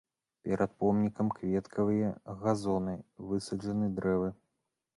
Перад помнікам кветкавыя газоны, высаджаны дрэвы.